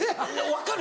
「分かる？